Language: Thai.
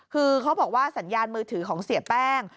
คือเขาบอกว่าสัญญาณมือถือของเสียแป้ง